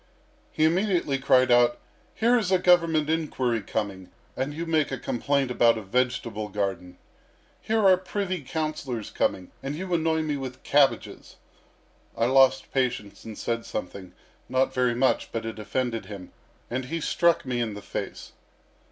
He immediately cried out: 'Here is a Government inquiry coming, and you make a complaint about a vegetable garden. Here are privy councillors coming, and you annoy me with cabbages!' I lost patience and said something not very much, but it offended him, and he struck me in the face.